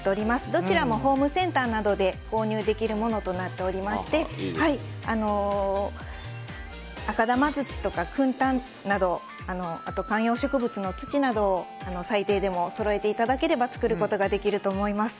どちらもホームセンターなどで購入できるものとなっておりまして赤玉土とか、くん炭など観葉植物の土などを最低でもそろえていただければ作ることができると思います。